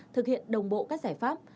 thực hiện đồng bộ các giải pháp